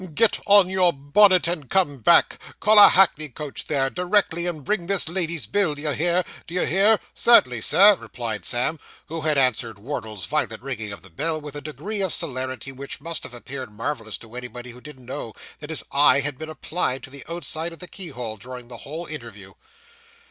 Get on your bonnet and come back. Call a hackney coach there, directly, and bring this lady's bill, d'ye hear d'ye hear?' Cert'nly, Sir,' replied Sam, who had answered Wardle's violent ringing of the bell with a degree of celerity which must have appeared marvellous to anybody who didn't know that his eye had been applied to the outside of the keyhole during the whole interview.